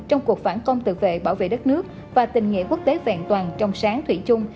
trong cuộc phản công tự vệ bảo vệ đất nước và tình nghĩa quốc tế vẹn toàn trong sáng thủy chung